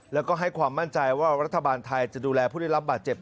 แล้วก็ให้ความมั่นใจว่ารัฐบาลไทยจะดูแลผู้ได้รับบาดเจ็บ